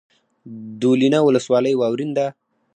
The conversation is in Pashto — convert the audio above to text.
دولینه ولسوالۍ واورین ده؟